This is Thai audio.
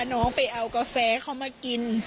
น้องไปเอากาแฟเขามากิน